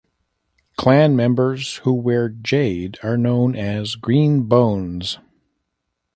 Clan members who wear jade are known as Green Bones.